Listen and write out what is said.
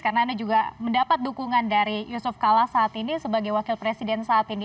karena anda juga mendapat dukungan dari yusuf kala saat ini sebagai wakil presiden saat ini